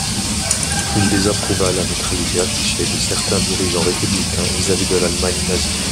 Il désapprouva la neutralité affiché de certains dirigeants républicains vis-à-vis de l'Allemagne nazie.